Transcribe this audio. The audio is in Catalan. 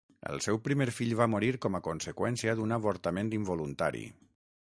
El seu primer fill va morir com a conseqüència d'un avortament involuntari.